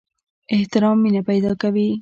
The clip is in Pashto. احترام مینه پیدا کوي